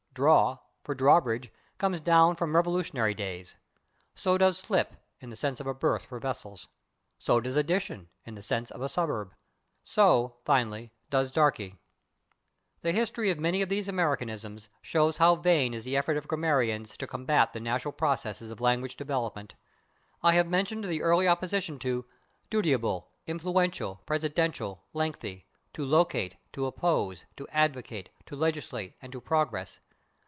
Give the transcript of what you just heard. /Draw/, for /drawbridge/, comes down from Revolutionary days. So does /slip/, in the sense of a berth for vessels. So does /addition/, in the sense of a suburb. So, finally, does /darkey/. The history of many of these Americanisms shows how vain is the effort of grammarians to combat the normal processes of [Pg051] language development. I have mentioned the early opposition to /dutiable/, /influential/, /presidential/, /lengthy/, /to locate/, /to oppose/, /to advocate/, /to legislate/ and /to progress